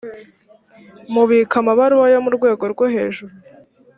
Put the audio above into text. mubika amabaruwa yo mu rwego rwohejuru.